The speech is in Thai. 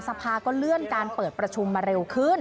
สภาก็เลื่อนการเปิดประชุมมาเร็วขึ้น